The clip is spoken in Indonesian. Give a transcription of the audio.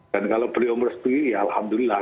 dan kalau beliau merestui ya alhamdulillah